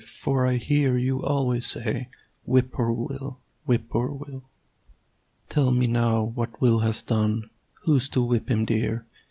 For I hear you always say "Whip poor Will! Whip poor Will!" Tell me now what Will has done. Who's to whip him, dear?